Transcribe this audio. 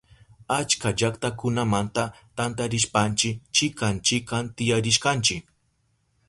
Achka llaktakunamanta tantarishpanchi chikan chikan tiyarishkanchi.